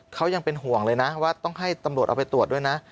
เขายังเป็นห่วงเลยนะว่าต้องให้ตำรวจเอาไปตรวจด้วยนะ